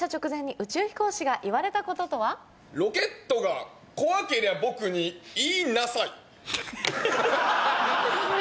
「ロケットが怖けりゃ僕に言い『ＮＡＳＡ』い」。